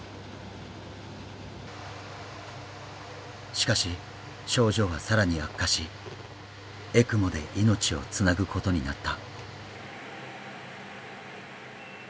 しかし症状は更に悪化しＥＣＭＯで命をつなぐことになった。